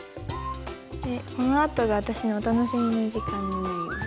このあとが私のお楽しみの時間になります。